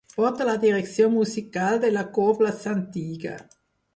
Porta la direcció musical de la cobla Santiga.